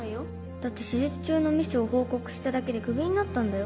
だって手術中のミスを報告しただけでクビになったんだよ。